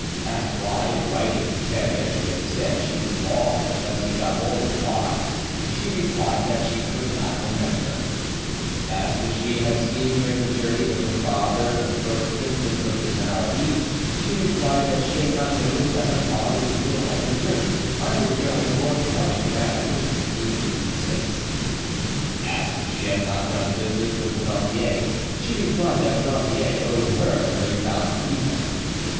Asked why, in writing to Theria, she had said she was lost unless he got hold of the box, she replied that she could not remember. Asked if she had seen during the journey with her father the first symptoms of his malady, she replied that she had not noticed that her father was ill on the journey, either going or coming back in 1666. Asked if she had not done business with Penautier, she replied that Penautier owed her 30,000 livres.